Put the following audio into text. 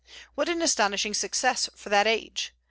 What an astonishing success for that age!